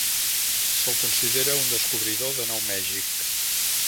Se'l considera un descobridor de Nou Mèxic.